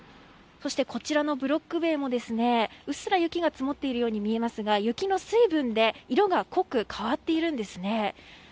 そして、こちらのブロック塀もうっすら雪が積もっているように見えるんですが雪の水分で色が濃く変わっているんですね。